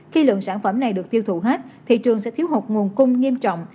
khi lượng sản phẩm này được tiêu thụ hết thị trường sẽ thiếu hụt nguồn cung nghiêm trọng